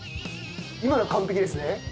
今の完璧ですね。